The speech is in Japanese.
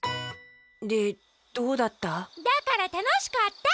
でどうだった？